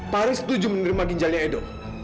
paling setuju menerima ginjalnya edo